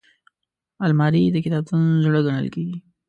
الماري د کتابتون زړه ګڼل کېږي